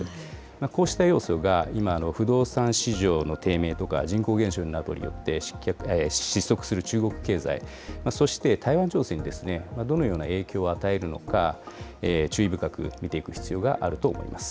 こうした要素が今、不動産市場の低迷とか、人口減少などによって失速する中国経済、そして、台湾情勢にどのような影響を与えるのか、注意深く見ていく必要があると思います。